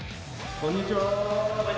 こんにちは。